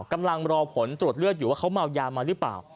กำลังรอผลตรวจเลือดอยู่ว่าเขาเมายามาหรือเปล่า